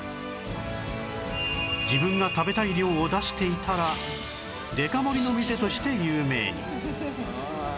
自分が食べたい量を出していたらデカ盛りの店として有名に